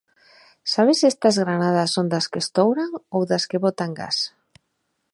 Sabes se estas granadas son das que estouran ou das que botan gas?